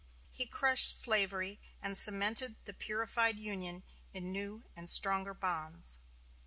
he crushed slavery, and cemented the purified Union in new and stronger bonds.